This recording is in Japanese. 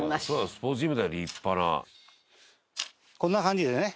「スポーツジムだよ立派な」こんな感じでね